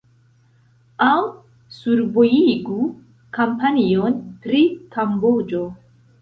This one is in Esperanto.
Aŭ survojigu kampanjon pri Kamboĝo.